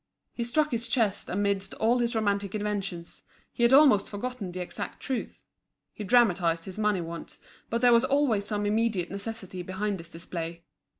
He struck his chest Amidst all his romantic inventions, he had almost forgotten the exact truth. He dramatised his money wants, but there was always some immediate necessity behind this display.